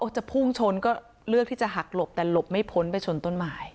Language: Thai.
จะพุ่งชนก็เลือกที่จะหักหลบแต่หลบไม่พ้นไปชนต้นไม้